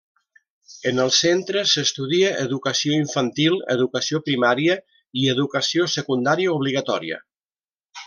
En el centre s'estudia educació infantil, educació primària i educació secundària obligatòria.